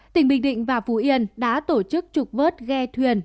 tỉnh bình định và phú yên đã tổ chức trục vớt ghe thuyền